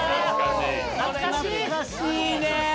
これ、懐かしいね。